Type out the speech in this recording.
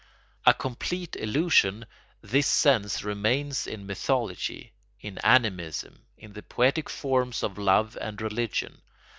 A complete illusion this sense remains in mythology, in animism, in the poetic forms of love and religion.